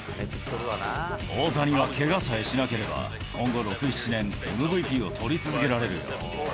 大谷はけがさえしなければ、今後６、７年、ＭＶＰを取り続けられるよ。